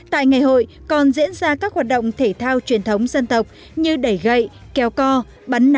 tại ngày hội còn diễn ra các hoạt động thể thao truyền thống dân tộc như đẩy gậy kéo co bắn ná bắn nỏ